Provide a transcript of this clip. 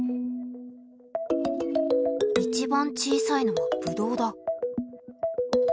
一番小さいのはぶどうだ。